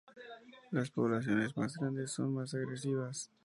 Las poblaciones más grandes son más agresivas.